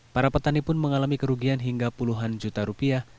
para petani pun mengalami kerugian hingga puluhan juta rupiah